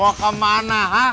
mau kemana ha